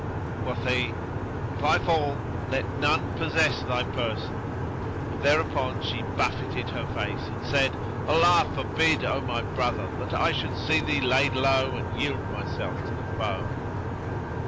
Quoth he, "If I fall, let none possess thy person;" and thereupon she buffeted her face and said, "Allah forbid, O my brother, that I should see thee laid low and yield myself to thy foe!"